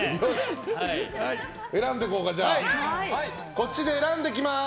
こっちで選んでいきます。